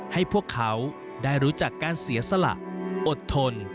ให้พวกเขาได้รู้จักการเสียสละอดทน